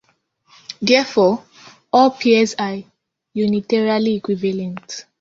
Therefore, all pairs are unitarily equivalent.